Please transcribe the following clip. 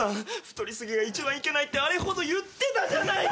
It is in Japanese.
太り過ぎが一番いけないってあれほど言ってたじゃないか。